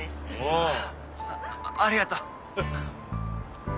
あありがとう。